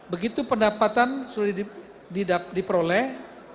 begitu pendapatan sudah diperoleh